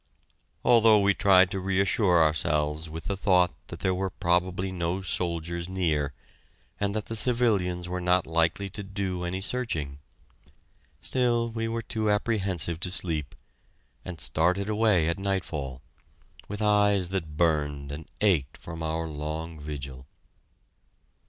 Although we tried to reassure ourselves with the thought that there were probably no soldiers near, and that the civilians were not likely to do any searching, still we were too apprehensive to sleep, and started away at nightfall, with eyes that burned and ached from our long vigil.